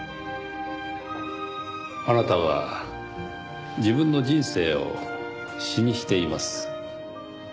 あなたは自分の人生を詩にしています。